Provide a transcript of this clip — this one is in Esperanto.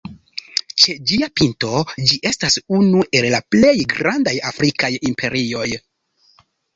Ĉe ĝia pinto, ĝi estas unu el la plej grandaj afrikaj imperioj.